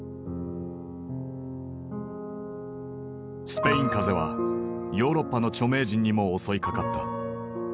スペイン風邪はヨーロッパの著名人にも襲いかかった。